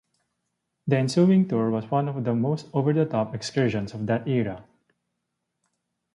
The ensuing tour was one of the most over-the-top excursions of that era.